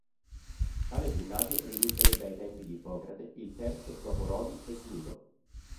Tale ginnasio risulterebbe ai tempi di Ippocrate il terzo dopo Rodi e Cnido.